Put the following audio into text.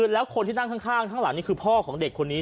แล้วคนที่นั่งข้างข้างหลังนี่คือพ่อของเด็กคนนี้